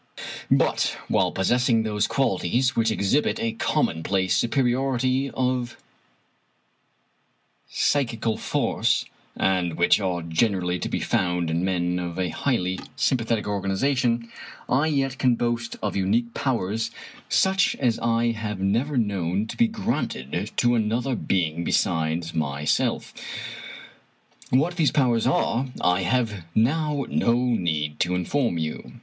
But, while possessing those qualities which exhibit a commonplace superiority of psychical force, and which are generally to be found in men of a highly sympathetic organization, I yet can boast of unique»powers such as I have never known to be granted to another being besides myself. What these powers are I have now no need to inform you.